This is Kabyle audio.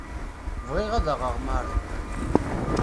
Bɣiɣ ad aɣeɣ Marie.